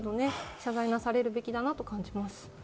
謝罪されるべきだなと思います。